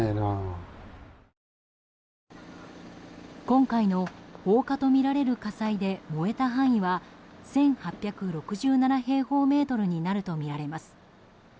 今回の放火とみられる火災で燃えた範囲は１８６７平方メートルになるとみられます。